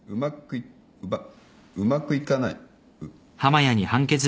うまくいかない。